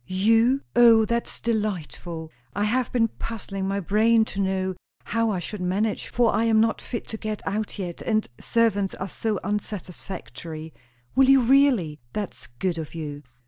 "You? O, that's delightful. I have been puzzling my brain to know how I should manage; for I am not fit to go out yet, and servants are so unsatisfactory. Will you really? That's good of you!"